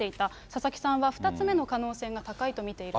佐々木さんは、２つ目の可能性が高いと見ていると。